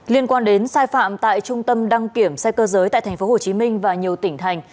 liên quan đến sai phạm tại trung tâm đăng kiểm xe cơ giới tại tp hcm và nhiều tỉnh thành